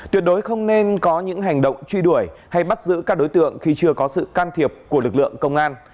tuyệt đối không nên có những hành động truy đuổi hay bắt giữ các đối tượng khi chưa có sự can thiệp của lực lượng công an